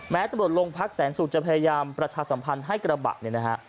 ตำรวจโรงพักแสนสุกจะพยายามประชาสัมพันธ์ให้กระบะเนี่ยนะฮะ